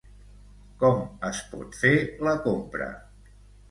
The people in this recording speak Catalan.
Com es pot fer la compra?